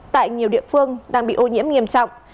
tại nhiều địa phương đang bị ô nhiễm nghiêm trọng